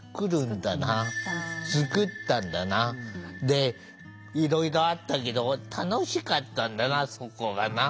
でいろいろあったけど楽しかったんだなそこがな。